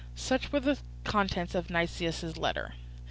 Such were the contents of Nicias's letter.